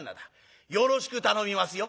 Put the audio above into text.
よろしく頼みますよ」。